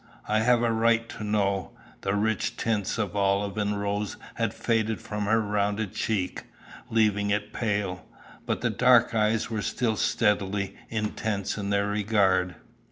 I have a right to know." The rich tints of olive and rose had faded from her rounded cheek, leaving it pale. But the dark eyes were still steadily intense in their regard.